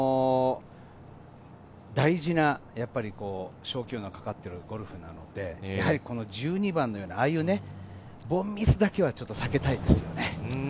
大事な賞金王がかかっているゴルフなので、１２番のような凡ミスだけは避けたいですよね。